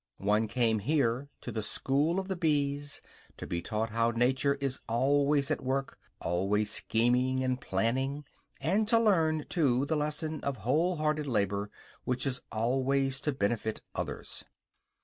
One came here, to the school of the bees, to be taught how nature is always at work, always scheming and planning; and to learn too the lesson of whole hearted labor which is always to benefit others.